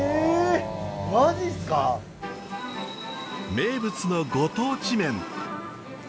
名物のご当地麺。